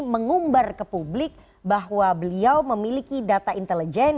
mengumbar ke publik bahwa beliau memiliki data intelijen